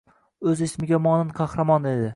O‘z ismiga monand qahramon edi